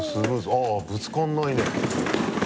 あっぶつからないね。